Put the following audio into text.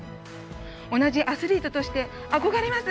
同じアスリートとして憧れます。